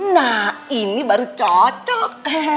nah ini baru cocok